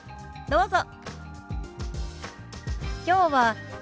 どうぞ。